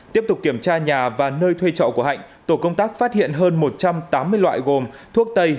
tiếp tục kiểm tra nhà và nơi thuê trọ của hạnh tổ công tác phát hiện hơn một trăm tám mươi loại gồm thuốc tây